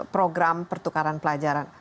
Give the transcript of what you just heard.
program pertukaran pelajar